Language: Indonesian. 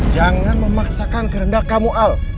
jangan memaksakan kehendak kamu al